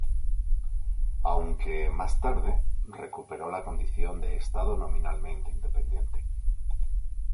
Aunque, más tarde, recuperó la condición de estado nominalmente independiente.